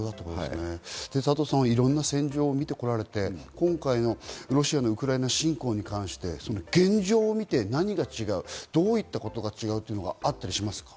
いろんな戦場を見てこられて、今回のロシアのウクライナ侵攻に関して、現状を見て何が違う、どういったことが違うというのがあったりしますか？